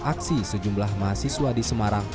aksi sejumlah mahasiswa di semarang